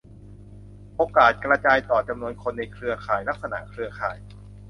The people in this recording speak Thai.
โอกาสกระจายต่อ จำนวนคนในเครือข่าย ลักษณะเครือข่าย